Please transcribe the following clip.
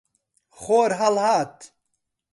خۆر هەڵهات.